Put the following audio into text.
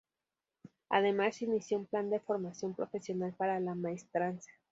Además, se inició un plan de formación profesional para la maestranza.